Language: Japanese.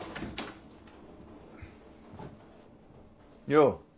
よう。